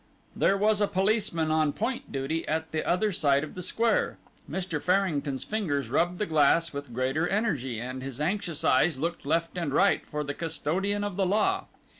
There was a policeman on point duty at the other side of the square. Mr. Farrington's fingers rubbed the glass with greater energy, and his anxious eyes looked left and right for the custodian of the law.